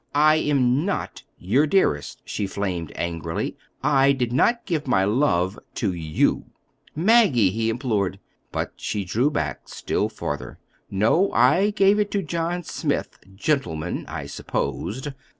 "I am not your dearest," she flamed angrily. "I did not give my love—to you." "Maggie!" he implored. But she drew back still farther. "No! I gave it to John Smith—gentleman, I supposed.